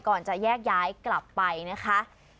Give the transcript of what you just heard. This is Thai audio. ก่อนจะแยกย้ายกลับไปนะคะ